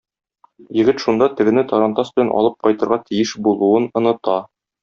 Егет шунда тегене тарантас белән алып кайтырга тиеш булуын оныта.